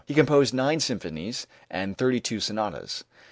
He composed nine symphonies and thirty two sonatas.